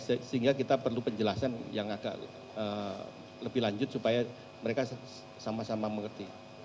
sehingga kita perlu penjelasan yang agak lebih lanjut supaya mereka sama sama mengerti